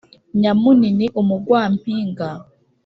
Nyamunini umugwampinga..